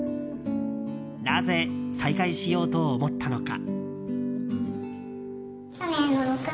なぜ再開しようと思ったのか。